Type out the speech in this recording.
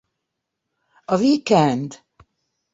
A Weekend!